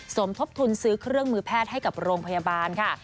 สมทบทุนซื้อเครื่องมือแพทย์ให้กับโรงพยาบาลค่ะ